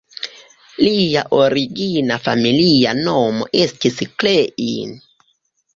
Lia origina familia nomo estis Klein.